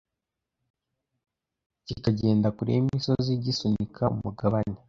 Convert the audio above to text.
kikagenda kure y’imisozi gisunika umugabane